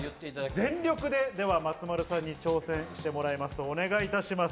全力で松丸さんに挑戦してもらいます。